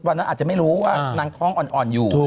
อาจจะไม่รู้ว่านางท้องอ่อนอยู่